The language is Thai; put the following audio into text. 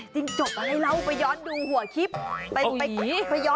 จิงจกอะไรเล่าไปย้อนดูหัวคลิป